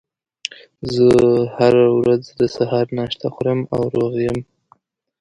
زه هره ورځ د سهار ناشته خورم او روغ یم